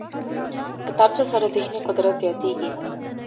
کتابچه سره ذهني قدرت زیاتېږي